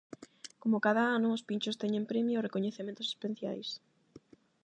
Como cada ano, os pinchos teñen premio e recoñecementos especiais.